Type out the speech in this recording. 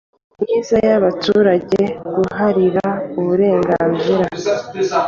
myiza y abaturage guharanira uburenganzira